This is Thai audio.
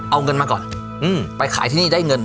เอาเงินมาก่อนไปขายที่นี่ได้เงิน